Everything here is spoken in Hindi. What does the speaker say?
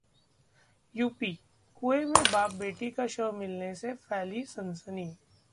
यूपीः कुएं में बाप-बेटी का शव मिलने से फैली सनसनी